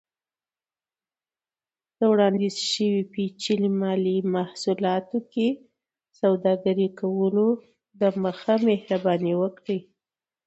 د وړاندیز شوي پیچلي مالي محصولاتو کې سوداګرۍ کولو دمخه، مهرباني وکړئ